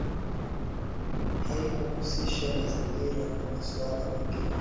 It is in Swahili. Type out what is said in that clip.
Haikuhusisha mazingira na masuala mengine